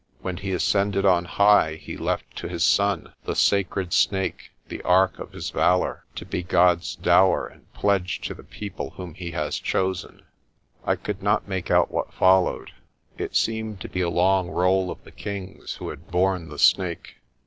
When he ascended on high he left to his son the sacred THE CAVE OF THE ROOIRAND 137 Snake, the ark of his valour, to be God's dower and pledge to the people whom He has chosen." I could not make out what followed. It seemed to be a long roll of the kings who had borne the Snake.